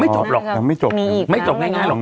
ยังไม่จบหรอก